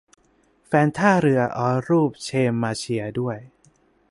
แฟนท่าเรือเอารูปเชมาเชียร์ด้วย !